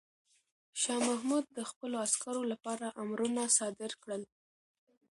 شاه محمود د خپلو عسکرو لپاره امرونه صادر کړل.